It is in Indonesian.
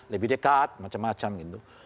lebih dekat macam macam gitu